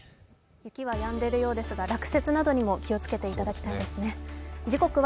雪はやんでいるようですが落雪などにも気をつけていただきたいですね。